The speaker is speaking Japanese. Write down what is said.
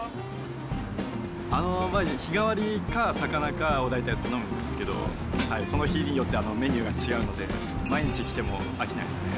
日替わりか、魚かを大体頼むんですけど、大体その日によってメニューが違うので、毎日来ても飽きないですね。